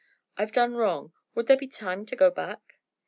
I've done wrong. Would there be time to go back?"